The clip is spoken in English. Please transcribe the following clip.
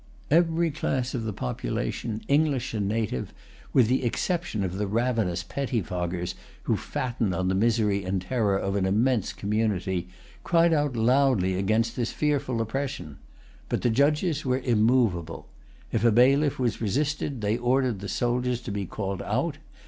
Every class of the population, English and native, with the exception of the ravenous pettifoggers who fattened on the misery and terror of an immense community, cried out loudly against this fearful oppression. But the judges were immovable. If a bailiff was resisted, they ordered the soldiers to be called out.